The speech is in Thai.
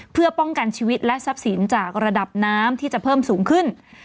เพื่อป้องกันชีวิตและทรัพย์สินจากระดับน้ำที่จะเพิ่มสูงขึ้น